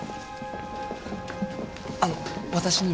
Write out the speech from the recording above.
あの私にも。